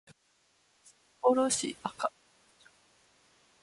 札幌市赤松町